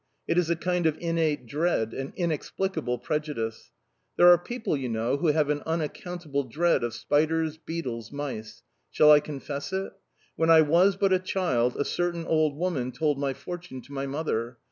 It is a kind of innate dread, an inexplicable prejudice... There are people, you know, who have an unaccountable dread of spiders, beetles, mice... Shall I confess it? When I was but a child, a certain old woman told my fortune to my mother.